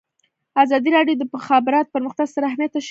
ازادي راډیو د د مخابراتو پرمختګ ستر اهميت تشریح کړی.